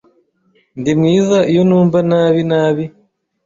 Ndi mwiza iyo numva nabi nabi?